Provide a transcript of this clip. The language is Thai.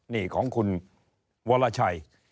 นี่ของคุณวรชัย